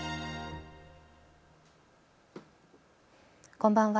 こんばんは。